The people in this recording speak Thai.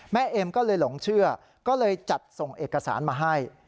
เอ็มก็เลยหลงเชื่อก็เลยจัดส่งเอกสารมาให้